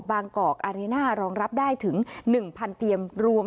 กอกอารีน่ารองรับได้ถึง๑๐๐เตียงรวม